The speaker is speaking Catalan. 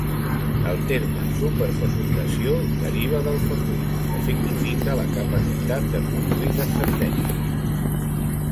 El terme superfecundació deriva del fecund, que significa la capacitat de produir descendència.